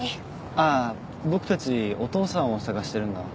僕たちお父さんを捜してるんだ。